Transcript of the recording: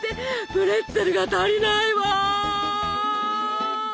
プレッツェルが足りないわ！